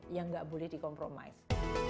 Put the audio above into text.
yang nggak boleh di compromize